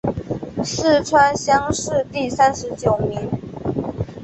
四川乡试第三十九名。